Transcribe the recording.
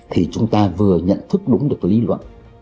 thì chúng ta vừa nhận thức đúng được lý luận